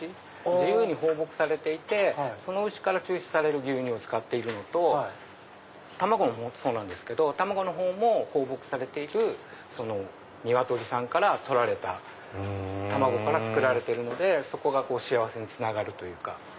自由に放牧されていてその牛から抽出される牛乳を使ってるのと卵もそうなんですけど卵の方も放牧されている鶏さんから採られた卵から作られてるのでそこが幸せにつながるというか。